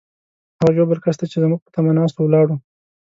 هغه ژوبل کس ته چې زموږ په تمه ناست وو، ولاړو.